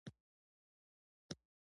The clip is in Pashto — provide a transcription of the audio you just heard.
د کورنیو جګړو په ترڅ کې شتمنۍ مصادره کړل.